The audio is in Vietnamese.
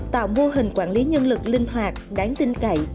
tạo mô hình quản lý nhân lực linh hoạt đáng tin cậy